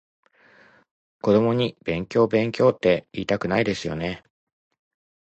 子供に勉強勉強っていいたくないですよね？